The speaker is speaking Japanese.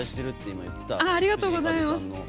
ありがとうございます。